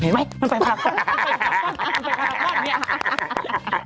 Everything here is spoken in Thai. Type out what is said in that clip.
เห็นไหมมันไปพารากอนมันไปพารากอนมันไปพารากอนเนี่ย